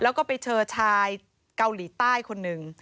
แล้วก็ไปเจอชายเกาหลีใต้คนหนึ่ง